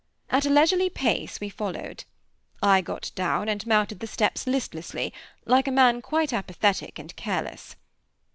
At a leisurely pace we followed. I got down, and mounted the steps listlessly, like a man quite apathetic and careless.